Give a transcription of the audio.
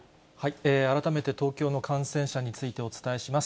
改めて、東京の感染者についてお伝えします。